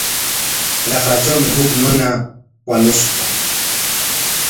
Raqratrawmi huk runa wañushqa.